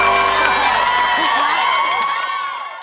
ฉันจะรับรองว่าไม่ขาดทุน